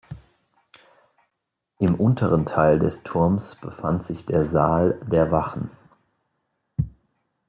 Im unteren Teil des Turms befand sich der Saal der Wachen.